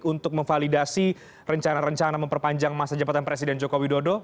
untuk memvalidasi rencana rencana memperpanjang masa jembatan presiden jokowi dodo